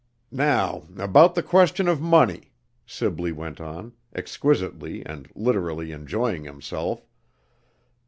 "Now about the question of money," Sibley went on, exquisitely and literally "enjoying himself."